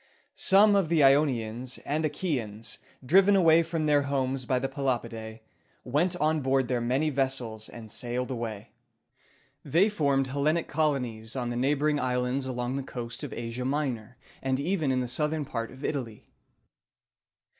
Some of the Ionians and Achæans, driven away from their homes by the Pelopidæ, went on board their many vessels, and sailed away. They formed Hel len´ic colonies in the neighboring islands along the coast of Asia Minor, and even in the southern part of Italy.